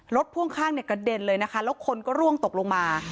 พ่วงข้างเนี่ยกระเด็นเลยนะคะแล้วคนก็ร่วงตกลงมา